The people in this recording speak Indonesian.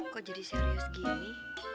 kok jadi serius gini